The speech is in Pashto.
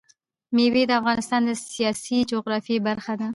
مېوې د افغانستان د سیاسي جغرافیه برخه ده.